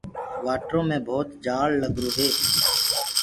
وآٽرو مي ڀَوت جآلگرو هي۔